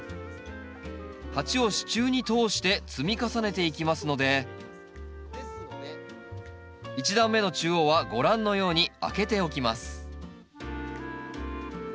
鉢を支柱に通して積み重ねていきますので１段目の中央はご覧のように空けておきます